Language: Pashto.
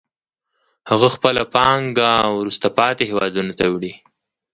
هغه خپله پانګه وروسته پاتې هېوادونو ته وړي